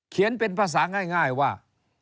เขียนเป็นภาษาง่ายว่า